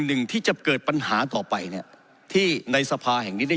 หนึ่งที่จะเกิดปัญหาต่อไปเนี่ยที่ในสภาแห่งนี้ได้